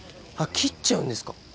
切っちゃうんですか。